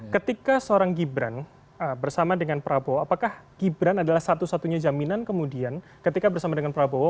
ketika seorang gibran bersama dengan prabowo apakah gibran adalah satu satunya jaminan kemudian ketika bersama dengan prabowo